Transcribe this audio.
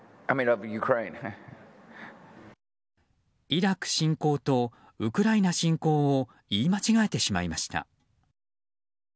イラク侵攻とウクライナ侵攻を言い間違えてしまいました。